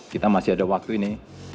kita masih ada waktu ini